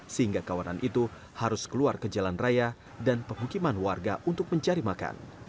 sehingga kawanan itu harus keluar ke jalan raya dan pemukiman warga untuk mencari makan